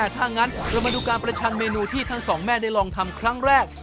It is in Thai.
ถ้างั้นเรามาดูการประชันเมนูที่ทั้งสองแม่ได้ลองทำครั้งแรก